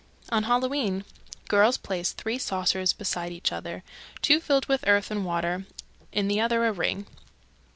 On Halloween, girls place three saucers beside each other, two filled with earth and water, in the other a ring.